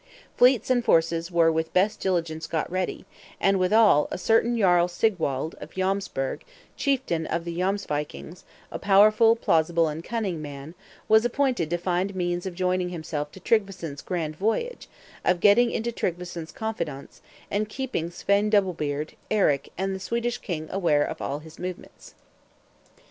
Fleets and forces were with best diligence got ready; and, withal, a certain Jarl Sigwald, of Jomsburg, chieftain of the Jomsvikings, a powerful, plausible, and cunning man, was appointed to find means of joining himself to Tryggveson's grand voyage, of getting into Tryggveson's confidence, and keeping Svein Double Beard, Eric, and the Swedish King aware of all his movements.